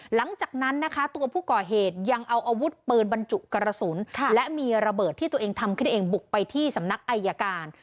หลังจากนั้นนะคะตัวผู้ก่อเหตุยังเอาอาวุธปืนบรรจุกระสุนและมีระเบิดที่ตัวเองทำขึ้นเองบุกไปที่สำนักอายการ